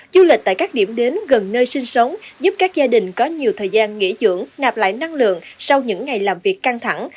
du lịch tại các điểm đến gần nơi sinh sống giúp các gia đình có nhiều thời gian nghỉ dưỡng nạp lại năng lượng sau những ngày làm việc căng thẳng